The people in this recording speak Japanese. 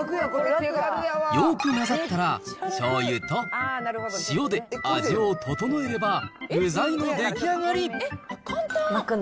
よーく混ざったらしょうゆと塩で味を調えれば、具材の出来上がり。